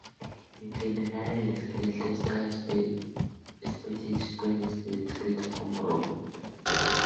En general, el esqueleto de esta especie puede ser descrito como robusto.